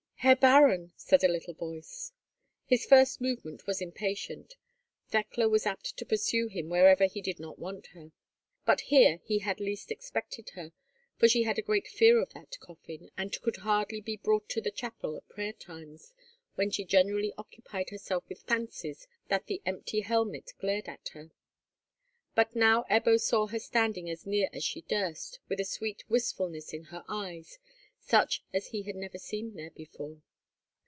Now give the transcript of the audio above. "Herr Baron!" said a little voice. His first movement was impatient. Thekla was apt to pursue him wherever he did not want her; but here he had least expected her, for she had a great fear of that coffin, and could hardly be brought to the chapel at prayer times, when she generally occupied herself with fancies that the empty helmet glared at her. But now Ebbo saw her standing as near as she durst, with a sweet wistfulness in her eyes, such as he had never seen there before.